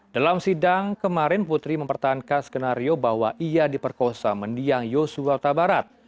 dalam sidang kemarin putri mempertahankan skenario bahwa ia diperkosa mendiang yosua tabarat